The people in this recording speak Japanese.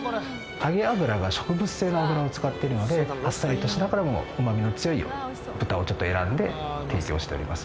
揚げ油が植物性の油を使ってるのであっさりとしながらもうまみの強い豚を選んで提供しております。